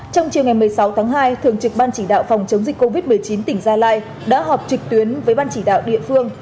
trong chiều ngày một mươi sáu tháng hai thường trực ban chỉ đạo phòng chống dịch covid một mươi chín tỉnh gia lai đã họp trực tuyến với ban chỉ đạo địa phương